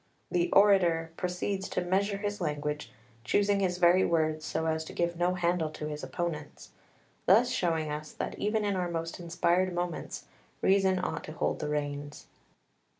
the orator proceeds to measure his language, choosing his very words so as to give no handle to opponents, thus showing us that even in our most inspired moments reason ought to hold the reins.